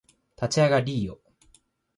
立ち上がりーよ